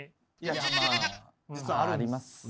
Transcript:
まあありますね。